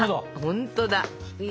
ほんとだ！